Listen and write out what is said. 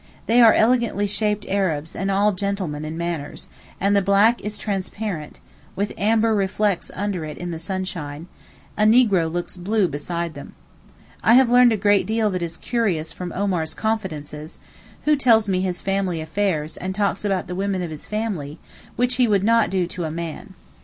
They are elegantly shaped Arabs and all gentlemen in manners, and the black is transparent, with amber reflets under it in the sunshine; a negro looks blue beside them. I have learned a great deal that is curious from Omar's confidences, who tells me his family affairs and talks about the women of his family, which he would not to a man.